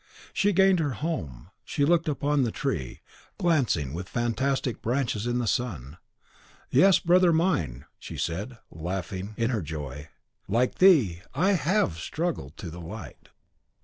She gained her home, she looked upon the tree, glancing, with fantastic branches, in the sun. "Yes, brother mine!" she said, laughing in her joy, "like thee, I HAVE struggled to the light!"